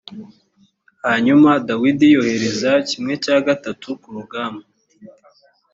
hanyuma dawidi yohereza kimwe cya gatatu ku rugamba